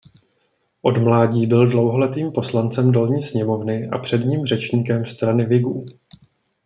Od mládí byl dlouholetým poslancem Dolní sněmovny a předním řečníkem strany whigů.